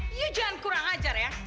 hei you jangan kurang ajar ya